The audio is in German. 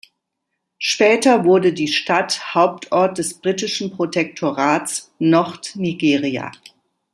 Später wurde die Stadt Hauptort des britischen Protektorats Nordnigeria.